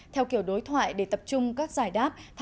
theo kiểu đối thoại để tập trung các giải đáp